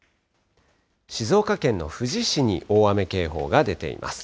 静岡県の富士市に大雨警報が出ています。